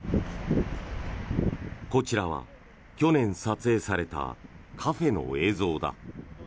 こちらは去年撮影されたカフェの映像だ。